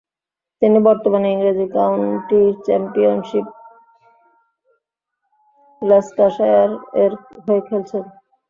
তিনি বর্তমানে ইংরেজি কাউন্টি চ্যাম্পিয়নশিপ ল্যাঙ্কাশায়ার এর হয়ে খেলছেন।